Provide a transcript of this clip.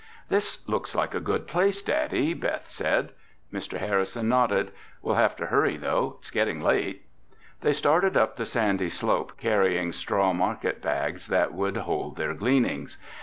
"This looks like a good place, Daddy," Beth said. Mr. Harrison nodded. "We'll have to hurry, though. It's getting late." They started up the sandy slope carrying straw market bags that would hold their gleanings.